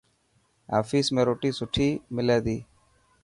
آفيس ۾ روٽي سٺي هلي تي.